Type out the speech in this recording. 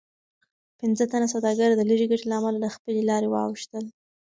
پنځه تنه سوداګر د لږې ګټې له امله له خپلې لارې واوښتل.